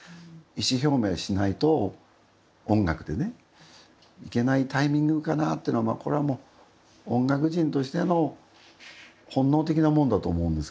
意思表明しないと音楽でねいけないタイミングかなってのはまあこれはもう音楽人としての本能的なもんだと思うんですけども。